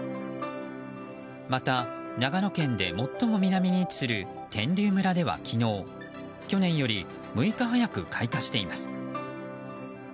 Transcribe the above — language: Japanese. また、長野県で最も南に位置する天龍村では昨日去年より６日早く開花しています。